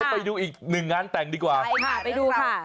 ไปดูอีกหนึ่งงานแต่งดีกว่า